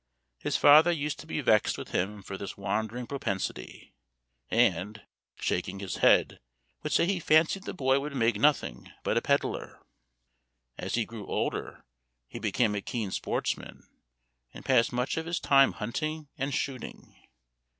His father used to be vexed with him for this wandering propensity, and, shaking his head, would say he fancied the boy would make nothing but a peddler. As he grew older he became a keen sportsman, and passed much of his time hunting and shooting.